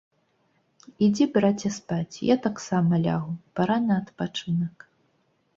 Ідзі, браце, спаць, я таксама лягу, пара на адпачынак.